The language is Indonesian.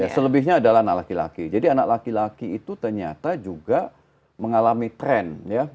selebihnya adalah anak laki laki jadi anak laki laki itu ternyata juga mengalami tren